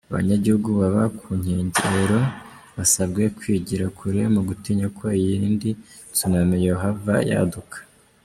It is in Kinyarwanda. Abanyagihugu baba ku nkengera basabwe kwigira kure, mu gutinya ko iyindi tsunami yohava yaduka.